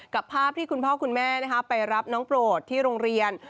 ภาพที่คุณพ่อคุณแม่ไปรับน้องโปรดที่โรงเรียน